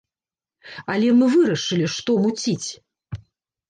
Але мы вырашылі, што муціць?